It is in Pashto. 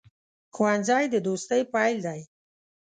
ښوونځی د دوستۍ پیل دی